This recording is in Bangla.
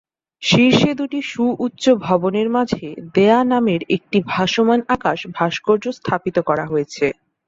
শীর্ষে দু'টি সু-উচ্চু ভবনের মাঝে "দেয়া" নামের একটি ভাসমান আকাশ ভাস্কর্য স্থাপিত করা হয়েছে।